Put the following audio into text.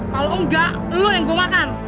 kalo enggak lu yang gua makan